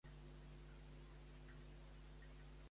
Quines idees tenir al cap dur a terme?